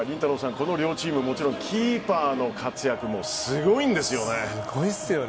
この両チームもちろんキーパーの活躍もすごいっすよね。